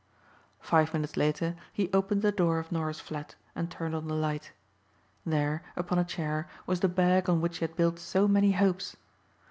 Five minutes later he opened the door of Norah's flat and turned on the light. There, upon a chair, was the bag on which he had built so many hopes.